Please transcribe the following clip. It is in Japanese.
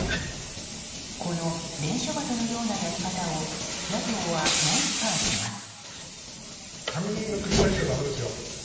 この伝書鳩のようなやり方を野党は、猛批判します。